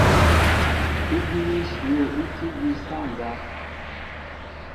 Ígínɛ́ íshyə̂ í tí ígí sááŋ ndáp.